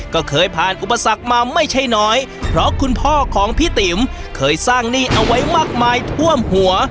ก็เคยผ่านอุปสรรคมาไม่ใช่น้อยเพราะคุณพ่อของพี่ติ๋มเคยสร้างหนี้เอาไว้มากมายท่วมหัว